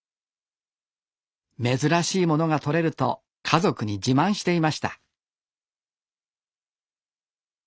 珍しいものが採れると家族に自慢していました